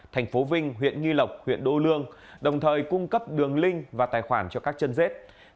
thành phố vinh huyện nghi lộc huyện đô lương đồng thời cung cấp đường link và tài khoản cho các chân rết